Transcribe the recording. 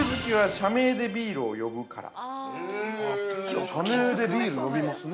◆社名でビール呼びますね。